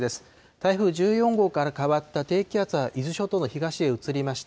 台風１４号から変わった低気圧は伊豆諸島の東へ移りました。